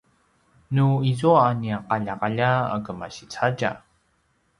nu izua a nia qaljaqalja a kemasi cadja